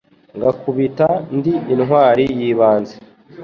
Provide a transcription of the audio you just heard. ngakubita ndi intwari y'ibanze.